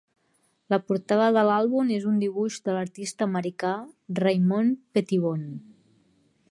La portada de l'àlbum és un dibuix de l'artista americà Raymond Pettibon.